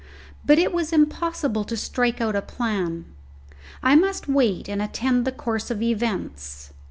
But it was impossible to strike out a plan. I must wait and attend the course of events.